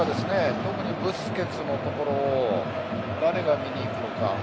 特にブスケツのところを誰が見に行くのか。